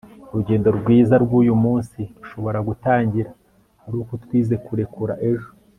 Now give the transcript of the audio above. urugendo rwiza rw'uyu munsi rushobora gutangira ari uko twize kurekura ejo